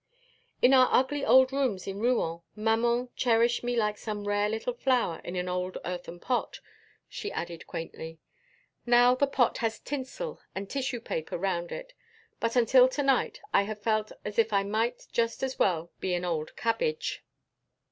"In our ugly old rooms in Rouen maman cherished me like some rare little flower in an old earthen pot," she added quaintly. "Now the pot has tinsel and tissue paper round it, but until to night I have felt as if I might just as well be an old cabbage."